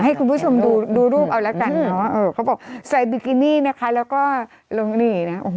ให้คุณผู้ชมดูดูรูปเอาละกันเนอะเออเขาบอกใส่บิกินี่นะคะแล้วก็ลงนี่นะโอ้โห